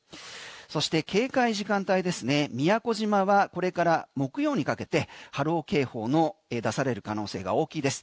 そして警戒時間帯ですね宮古島はこれから木曜にかけて波浪警報の出される可能性が大きいです。